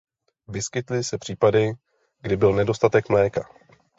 Vyskytly se případy, kdy byl nedostatek mléka.